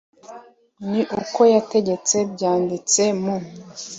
n uko yategetse byanditse mu